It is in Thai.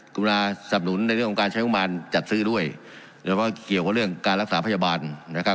รุณาสับหนุนในเรื่องของการใช้งบประมาณจัดซื้อด้วยแล้วก็เกี่ยวกับเรื่องการรักษาพยาบาลนะครับ